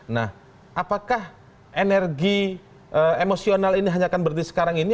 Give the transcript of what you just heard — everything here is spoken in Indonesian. nah apakah energi emosional ini hanya akan berhenti sekarang ini